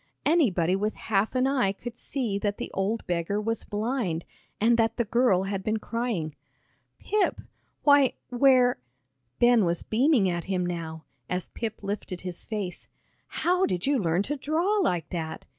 Anybody with half an eye could see that the old beggar was blind, and that the girl had been crying. "Pip! why, where," Ben was beaming at him now, as Pip lifted his face, "how did you learn to draw like that?"